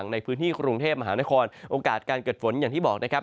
ในพื้นที่กรุงเทพมหานครโอกาสการเกิดฝนอย่างที่บอกนะครับ